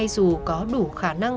dù có đủ khả năng